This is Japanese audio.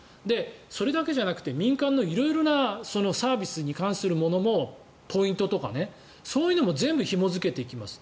それだけじゃなくて、民間の色んなサービスに関するものもポイントとかそういうのも全部ひも付けていきます。